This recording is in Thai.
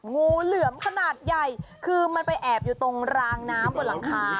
งูเหลือมขนาดใหญ่คือมันไปแอบอยู่ตรงรางน้ำบนหลังคา